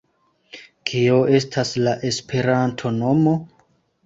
Kio estas la Esperanto-nomo?